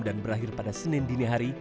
dan berakhir pada senin dinihari